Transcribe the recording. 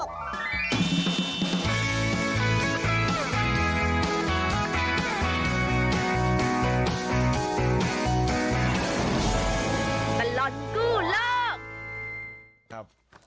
ตลอดกู้โลก